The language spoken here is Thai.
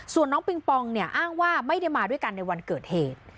ส่วนน้องปิงปองเนี่ยอ้างว่าไม่ได้มาด้วยกันในวันเกิดเหตุ